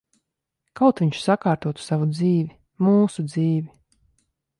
Kaut viņš sakārtotu savu dzīvi. Mūsu dzīvi.